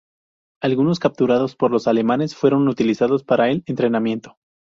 Algunos capturados por los alemanes fueron utilizados para el entrenamiento.